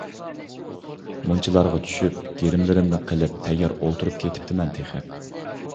مۇنچىلارغا چۈشۈپ، گىرىملىرىمنى قىلىپ تەييار ئولتۇرۇپ كېتىپتىمەن تېخى.